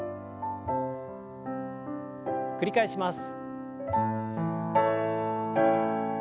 繰り返します。